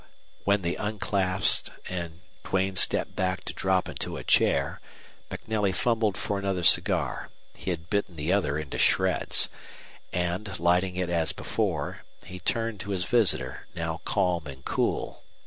When they unclasped and Duane stepped back to drop into a chair MacNelly fumbled for another cigar he had bitten the other into shreds and, lighting it as before, he turned to his visitor, now calm and cool.